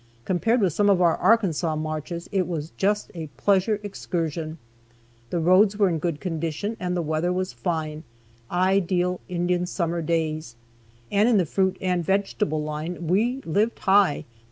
Compared with some of our Arkansas marches, it was just a pleasure excursion. The roads were in good condition, and the weather was fine; ideal Indian Summer days. And in the fruit and vegetable line we lived high.